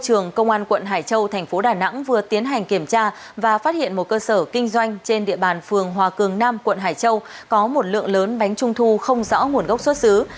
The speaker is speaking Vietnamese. công an quận hải châu thành phố đà nẵng vừa tiến hành kiểm tra và phát hiện một cơ sở kinh doanh trên địa bàn phường hòa cường nam quận hải châu có một lượng lớn bánh trung thu không rõ nguồn gốc xuất xứ